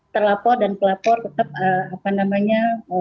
terlapor dan pelapor tetap apa namanya